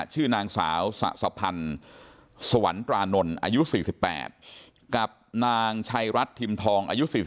ชื่อนางสาวสะสะพันธ์สวรรครานนท์อายุ๔๘กับนางชัยรัฐทิมทองอายุ๔๓